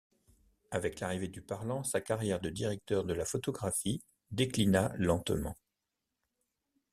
Avec l'arrivée du parlant, sa carrière de directeur de la photographie déclina lentement.